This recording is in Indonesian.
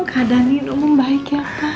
keadaan ini dong baik ya pa